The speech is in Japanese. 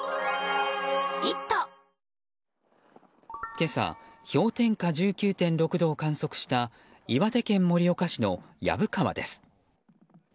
今朝氷点下１９．６度を観測した岩手県盛岡市の薮川です。